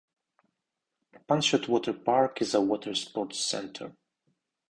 Panshet Water Park is a water sports center.